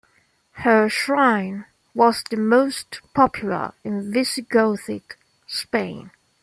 Her shrine was the most popular in Visigothic Spain.